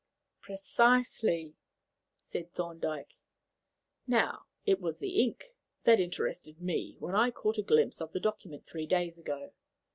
"Precisely," said Thorndyke. "Now, it was the ink that interested me when I caught a glimpse of the document three days ago.